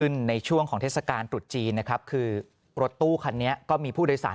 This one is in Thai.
ในช่วงของเทศกาลตรุษจีนนะครับคือรถตู้คันนี้ก็มีผู้โดยสาร